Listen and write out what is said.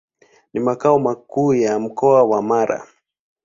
Ni makao makuu ya Mkoa wa Mara.